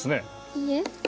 いいえ。